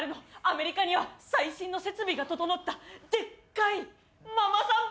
アメリカには最新の設備が整ったでっかいママさん